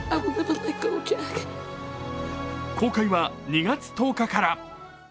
公開は２月１０日から。